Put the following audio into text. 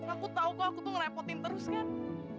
aku tahu kok aku tuh ngerepotin terlalu banyak